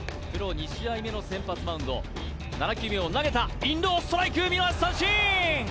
２試合目の先発マウンド７球目を投げたインローストライク見逃し三振！